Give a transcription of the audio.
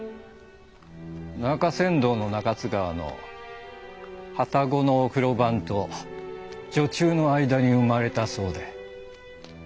中山道の中津川の旅籠の風呂番と女中の間に生まれたそうで。